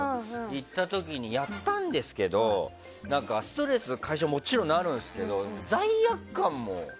行った時にやったんですけどストレス解消にもちろん、なるんですけど罪悪感も。